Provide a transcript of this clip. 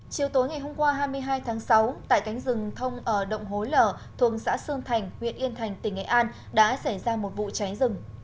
chiều tối ngày hôm qua hai mươi hai tháng sáu tại cánh rừng thông ở động hối lở thuộc xã sơn thành huyện yên thành tỉnh nghệ an đã xảy ra một vụ cháy rừng